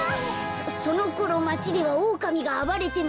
そのころまちではオオカミがあばれてました。